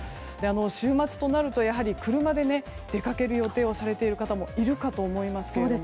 週末となると、車で出かける予定をされている方もいるかと思いますけれども。